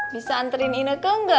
bisa anterin ine ke enggak